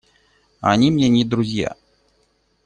Они мне не друзья.